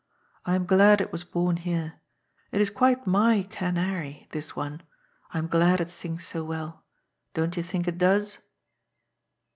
^' I am glad it was bom here. It is quite my canary, this one. I am glad it sings so well. Don't yon think it does